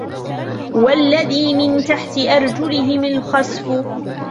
وَاَلَّذِي مِنْ تَحْتِ أَرْجُلِهِمْ الْخَسْفُ